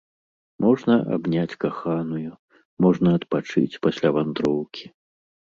Можна абняць каханую, можна адпачыць пасля вандроўкі.